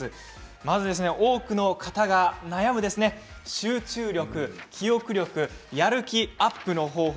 まず多くの人が悩む集中力、記憶力やる気アップの方法